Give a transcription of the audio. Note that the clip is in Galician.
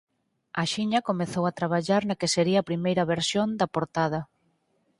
Axiña comezou a traballar na que sería a primeira versión da Portada.